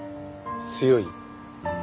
強い？